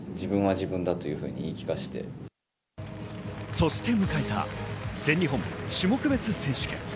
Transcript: そして迎えた、全日本種目別選手権。